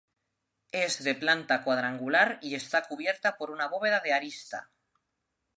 Es de planta cuadrangular y está cubierta por una bóveda de arista.